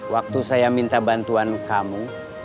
waktu saya minta bantuan kamu